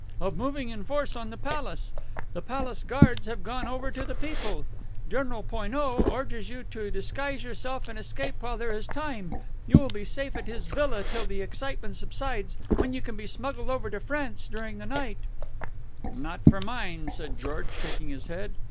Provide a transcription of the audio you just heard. of moving in force on the Palace. The Palace Guards have gone over to the people. General Poineau urges you to disguise yourself and escape while there is time. You will be safe at his villa till the excitement subsides, when you can be smuggled over to France during the night " "Not for mine," said John, shaking his head.